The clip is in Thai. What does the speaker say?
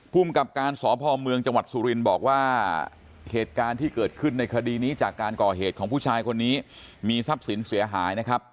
ภูมิกับการสพเมืองจังหวัดสุรินทร์บอกว่าเหตุการณ์ที่เกิดขึ้นในคดีนี้จากการก่อเหตุของผู้ชายคนนี้มีทรัพย์สินเสียหายนะครับ